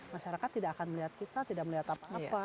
masyarakat tidak akan melihat kita tidak melihat apa apa